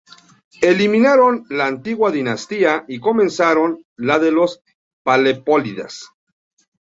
Eliminaron la antigua dinastía y comenzaron la de los Pelópidas.